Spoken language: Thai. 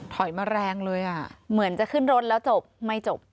มาแรงเลยอ่ะเหมือนจะขึ้นรถแล้วจบไม่จบ